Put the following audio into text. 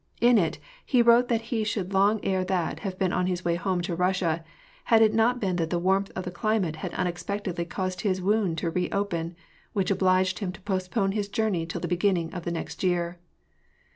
In it, he wrote that he should long ere that have been on the way home to Russia, had it not been that the warmth of the climate had unexpectedly caused his wound to re open, which obliged him to postpone his journey till the beginning of the next year.